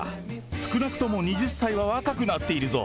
少なくとも２０歳は若くなっているぞ。